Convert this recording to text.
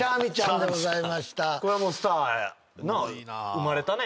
生まれたね。